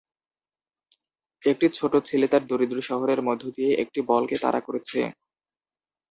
একটি ছোট ছেলে তার দরিদ্র শহরের মধ্য দিয়ে একটি বলকে তাড়া করছে।